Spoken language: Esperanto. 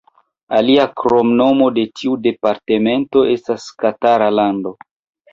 Alia kromnomo de tiu departemento estas Katara Lando.